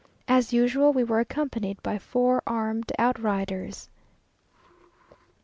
As usual, we were accompanied by four armed outriders.